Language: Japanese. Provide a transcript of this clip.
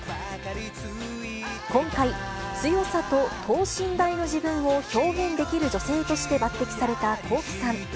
今回、強さと等身大の自分を表現できる女性として抜てきされたＫｏｋｉ，さん。